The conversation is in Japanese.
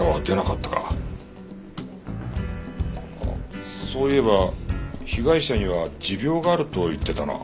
あっそういえば被害者には持病があると言ってたな。